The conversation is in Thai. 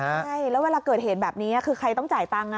ใช่แล้วเวลาเกิดเหตุแบบนี้คือใครต้องจ่ายตังค์